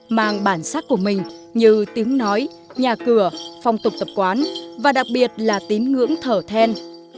mang bản sắc của mình như tiếng nói nhà cửa phong tục tập quán và đặc biệt là tín ngưỡng thở then